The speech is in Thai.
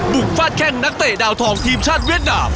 ฟาดแข้งนักเตะดาวทองทีมชาติเวียดนาม